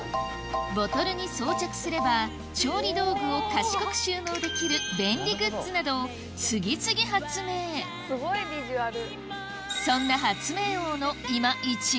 ボトルに装着すれば調理道具を賢く収納できる便利グッズなど次々発明すごいビジュアル。